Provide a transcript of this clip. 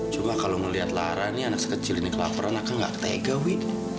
cuma kalau ngeliat lara nih anak sekecil ini kelaparan aku gak ketega wi